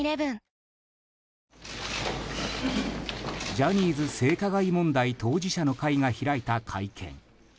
ジャニーズ性加害問題当事者の会が開いた会見。